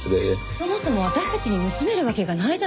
そもそも私たちに盗めるわけがないじゃないですか。